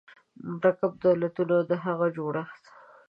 مرکب دولتونه او د هغوی جوړښت